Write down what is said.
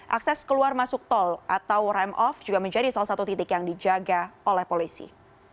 akses keluar masuk tol atau rem off juga menjadi salah satu titik yang dijaga oleh polisi